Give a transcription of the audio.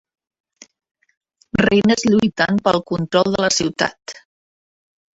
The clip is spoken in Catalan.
Reines lluitant pel control de la ciutat.